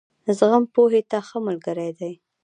زغم، پوهې ته ښه ملګری دی.